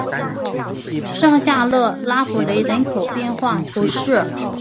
圣夏勒拉福雷人口变化图示